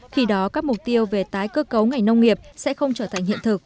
khi đó các mục tiêu về tái cơ cấu ngành nông nghiệp sẽ không trở thành hiện thực